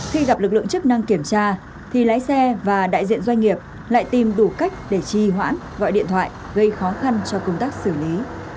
khi gặp lực lượng chức năng kiểm tra thì lái xe và đại diện doanh nghiệp lại tìm đủ cách để trì hoãn gọi điện thoại gây khó khăn cho công tác xử lý